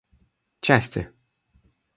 части